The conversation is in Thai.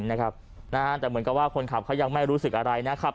แต่เหมือนกับว่าคนขับเขายังไม่รู้สึกอะไรนะครับ